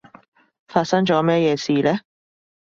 發生咗咩嘢事呢？